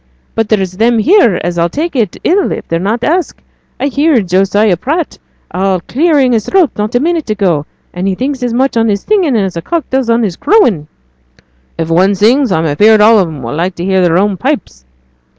'But there's them here as 'll take it ill if they're not asked. I heerd Josiah Pratt a clearing his throat not a minute ago, an' he thinks as much on his singin' as a cock does on his crowin'.' 'If one sings I'm afeard all on 'em will like to hear their own pipes.'